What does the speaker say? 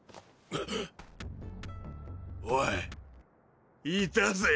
おいいたぜ！